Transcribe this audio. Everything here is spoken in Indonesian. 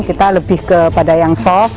kita lebih kepada yang soft